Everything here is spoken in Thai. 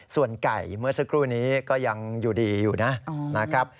ส่วนไก่เมื่อสักครู่นี้ก็ยังอยู่ดีอยู่นะครับ